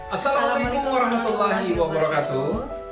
assalamualaikum warahmatullahi wabarakatuh